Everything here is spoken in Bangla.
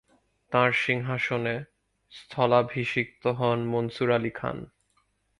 তাঁর সিংহাসনে স্থলাভিষিক্ত হন মনসুর আলী খান।